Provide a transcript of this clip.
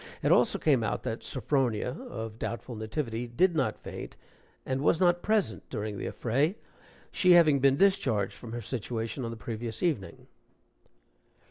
It also came out that Sophronia, of doubtful nativity, did not faint, and was not present during the affray, she having been discharged from her situation on the previous evening.)